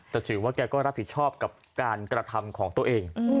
แต่ถือว่าแกก็รับผิดชอบกับการกระทำของตัวเอง